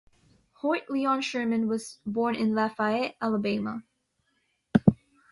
Hoyt Leon Sherman was born in Lafayette, Alabama.